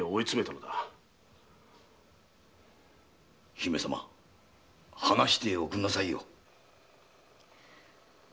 姫様話しておくんなさいよ。